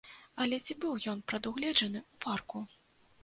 Але ці быў ён прадугледжаны ў парку?